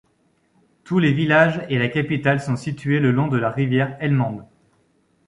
Tous les villages et la capitale sont situés le long de la rivière Helmand.